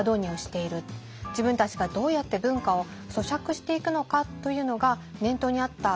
自分たちがどうやって文化を咀嚼していくのかというのが念頭にあった。